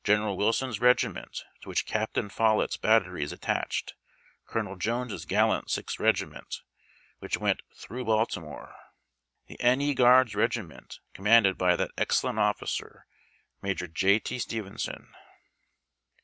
WILSON'S EEGIMENT, To which CAPT. POLLETT'S BATTEEY is attached ; COL. JONES' GALLANT SIXTH EEGIMENT, WlUCn WEST " TIIUOfGH BALTIMORE"; THE N. E. GUAEDS EEGIMENT, commanded by that excellent officer, MAJOE J. T. STEVENSON.